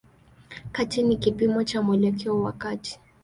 Kati ni kipimo cha mwelekeo wa kati.